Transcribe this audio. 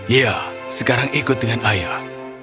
ya sekarang ikut dengan ayah